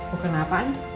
mau kena apaan